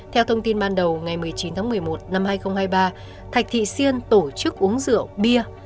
theo thông tin ban đầu ngày một mươi chín tháng một mươi một năm hai nghìn hai mươi ba thạch thị siên tổ chức uống rượu bia